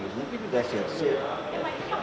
mungkin juga sel sel